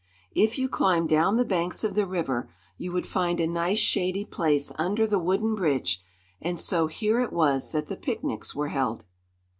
If you climbed down the banks of the river you would find a nice shady place under the wooden bridge; and so here it was that the picnics were held.